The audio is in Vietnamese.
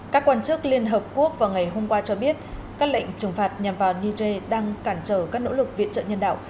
các quan chức liên hợp quốc vào ngày hôm qua cho biết các lệnh trừng phạt nhằm vào niger đang cản trở các nỗ lực viện trợ nhân đạo